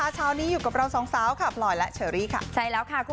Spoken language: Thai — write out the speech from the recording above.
ชานี้อยู่กับเราเฉาครัวลอยะเฉอรี่